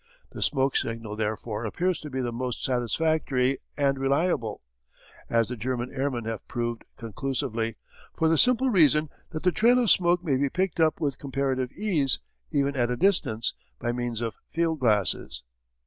The smoke signal therefore appears to be the most satisfactory and reliable, as the German airmen have proved conclusively, for the simple reason that the trail of smoke may be picked up with comparative ease, even at a distance, by means of field glasses.